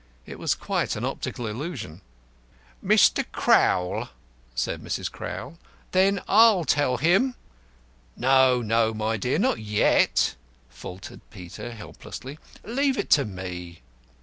It was quite an optical illusion. "Mr. Crowl," said Mrs. Crowl, "then I'll tell him." "No, no, my dear, not yet," faltered Peter, helplessly; "leave it to me."